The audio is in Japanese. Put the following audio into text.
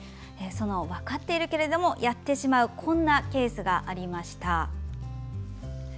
分かっているけれどもやってしまうこんなケースがありました。